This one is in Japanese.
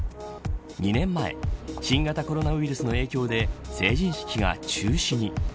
２年前新型コロナウイルスの影響で成人式が中止に。